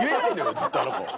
ずっとあの子。